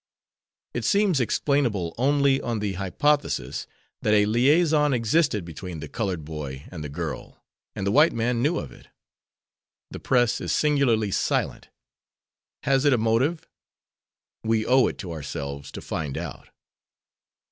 It seems explainable only on the hypothesis that a liaison existed between the colored boy and the girl, and the white man knew of it. The press is singularly silent. Has it a motive? We owe it to ourselves to find out.